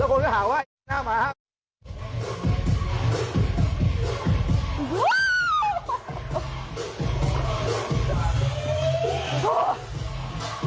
แล้วคนก็ห่าว่าอี๋หน้าหมาครับ